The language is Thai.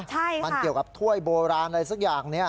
ใช่ค่ะมันเกี่ยวกับถ้วยโบราณอะไรสักอย่างเนี่ย